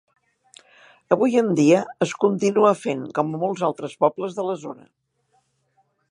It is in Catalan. Avui en dia es continua fent, com a molts altres pobles de la zona.